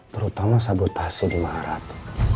terutama sabotasi di marat